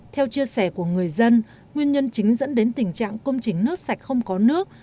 theo chia sẻ của người dân nguyên nhân chính dẫn đến tình trạng công trình nước sạch không có nước